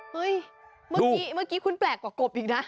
เมื่อกี้เมื่อกี้คุณแปลกกว่ากบอีกนะ